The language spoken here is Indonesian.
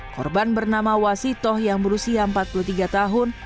korban bernama wasitoh yang berusia empat puluh tiga tahun